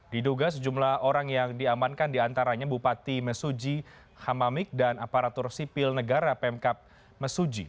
diduga sejumlah orang yang diamankan diantaranya bupati mesuji hamamik dan aparatur sipil negara pemkap mesuji